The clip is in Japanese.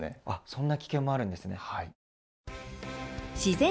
あっそんな危険もあるんですね。